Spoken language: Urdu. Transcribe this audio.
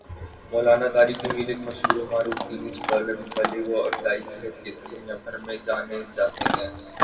مولانا طارق جمیل ایک مشہور و معروف دینی سکالر ، مبلغ اور داعی کی حیثیت سے دنیا بھر میں جانے جاتے ہیں